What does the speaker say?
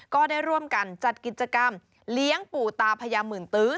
ก็ได้ร่วมกันจัดกิจกรรมเลี้ยงปู่ตาพญาหมื่นตื้อ